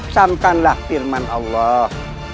samkanlah firman allah